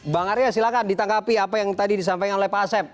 bang arya silahkan ditangkapi apa yang tadi disampaikan oleh pak asep